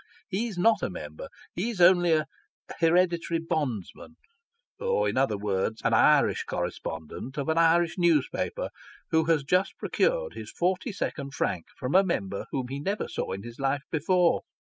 He is not a Member ; he is only an " hereditary bondsman," or, in other words, an Irish correspondent of an Irish newspaper, who has just procured his forty second frank from a Member whom ho never saw in his life before.